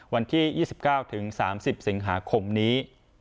วันที่๒๙๓๐สิงหาคมนี้